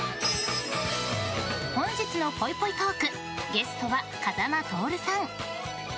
本日のぽいぽいトークゲストは風間トオルさん。